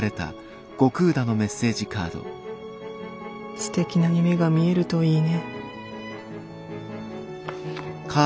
すてきな夢が見えるといいね。